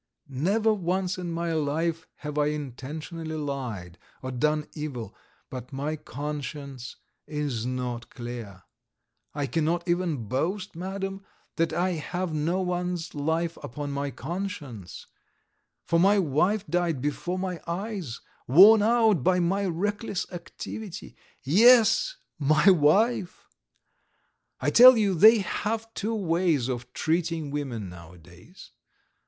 Never once in my life have I intentionally lied or done evil, but my conscience is not clear! I cannot even boast, Madam, that I have no one's life upon my conscience, for my wife died before my eyes, worn out by my reckless activity. Yes, my wife! I tell you they have two ways of treating women nowadays.